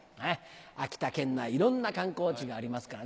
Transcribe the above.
秋田県はいろんな観光地がありますからね。